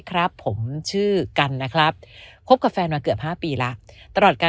ครับผมชื่อกันนะครับคบกับแฟนมาเกือบ๕ปีแล้วตลอดกัน